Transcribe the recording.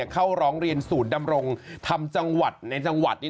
เข้าร้องเรียนศูนย์ดำรงธรรมจังหวัดในจังหวัดนี้